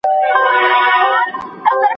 هیوادونه خپلي هڅي کوي.